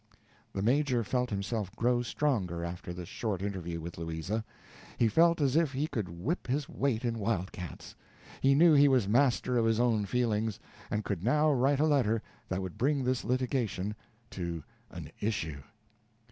The Major felt himself grow stronger after this short interview with Louisa. He felt as if he could whip his weight in wildcats he knew he was master of his own feelings, and could now write a letter that would bring this litigation to _an issue.